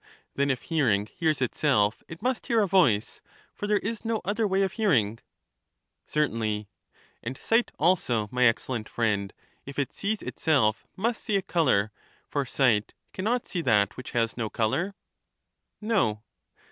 Then if hearing hears itself, it must hear a voice; for there is no other way of hearing. Certainly. And sight also, my excellent friend, if it sees itself must see a color, for sight can not see that which has no color. No.